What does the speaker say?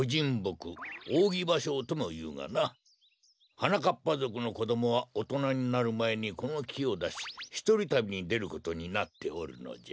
はなかっぱぞくのこどもはおとなになるまえにこのきをだしひとりたびにでることになっておるのじゃ。